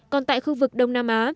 còn tại khu vực đông nam